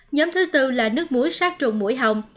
nhóm thứ tư là nước muối sát trùng mũi hồng